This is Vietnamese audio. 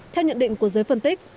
theo nhận định của giới phân tích